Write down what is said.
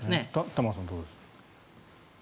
玉川さん、どうです？